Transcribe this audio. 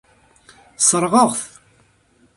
Sserɣeɣ-t.